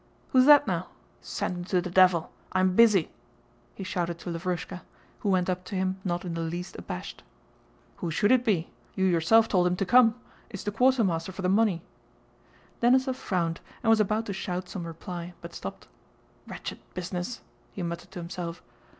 Who's that now? Send him to the devil, I'm busy!" he shouted to Lavrúshka, who went up to him not in the least abashed. "Who should it be? You yourself told him to come. It's the quartermaster for the money." Denísov frowned and was about to shout some reply but stopped. "Wetched business," he muttered to himself.